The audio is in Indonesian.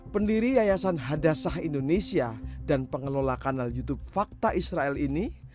pendiri yayasan hadasah indonesia dan pengelola kanal youtube fakta israel ini